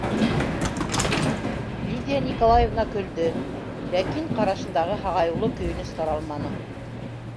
Лидия Николаевна көлдө, ләкин ҡарашындағы һағайыулы көйөнөс таралманы.